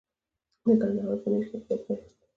د کندهار په نیش کې د ګچ نښې شته.